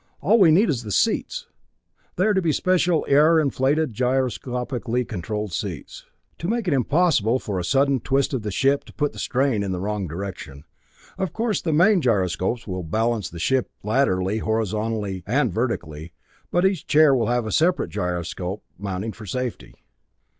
All we need is the seats they are to be special air inflated gyroscopically controlled seats, to make it impossible for a sudden twist of the ship to put the strain in the wrong direction. Of course the main gyroscopes will balance the ship laterally, horizontally, and vertically, but each chair will have a separate gyroscopic mounting for safety."